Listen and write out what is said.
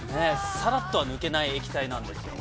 ◆さらっとは、抜けない液体なんですよ。